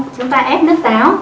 chúng ta ép nước táo